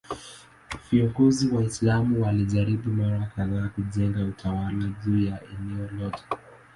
Viongozi Waislamu walijaribu mara kadhaa kujenga utawala juu ya eneo lote.